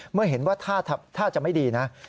เมื่อเห็นว่าท่าจะไม่ดีนะ